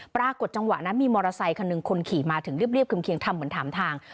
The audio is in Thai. ปรากฏจังหวะนั้นมีมอเตอร์ไซค์คันหนึ่งคนขี่มาถึงเรียบเรียบเครียมเคียงทำเหมือนถามทาง